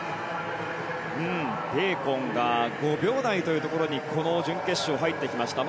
ベーコンが５秒台というところにこの準決勝、入ってきました。